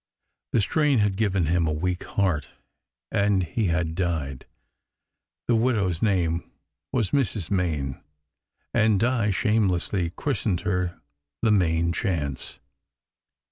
The strain had given him a weak heart, and he had died. The widow s name was Mrs. Main, and Di shamelessly christened her the "Main Chance."